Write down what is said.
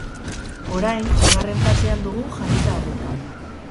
Orain, bigarren fasean dugu jarrita arreta.